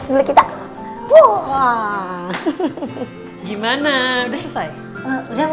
ini lagi keras loh